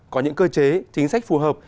có những cơ chế chính sách phù hợp